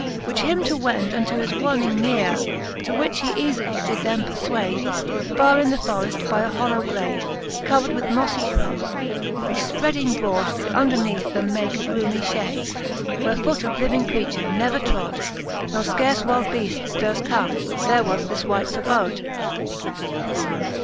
With him to wend unto his wonning nearer To which he eafily did them perfwade. •^ Farre in the forreft by a hollow glade, Covered with moflie fhrubs, which fpredding brode* ^ Did underneath them make a gloomy fhade. Where foot of living creature never trode, Ne fcarfe wyld beafts durft come, there was this wights abode.